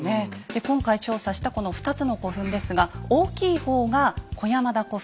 で今回調査したこの２つの古墳ですが大きい方が小山田古墳。